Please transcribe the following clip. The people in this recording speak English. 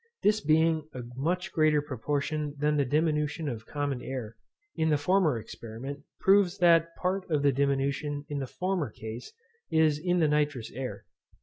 This being a much greater proportion than the diminution of common air, in the former experiment, proves that part of the diminution in the former case is in the nitrous air.